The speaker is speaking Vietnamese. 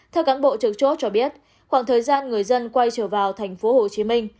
theo cán bộ trực chốt cho biết khoảng thời gian người dân quay trở vào tp hcm